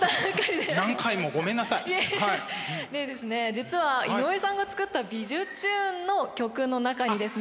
実は井上さんが作った「びじゅチューン！」の曲の中にですね。